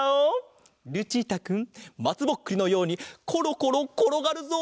ルチータくんまつぼっくりのようにコロコロころがるぞ！